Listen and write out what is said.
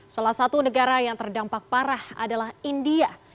salah satu negara yang terdampak parah adalah india